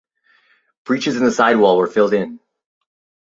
Breaches in the side wall were filled in.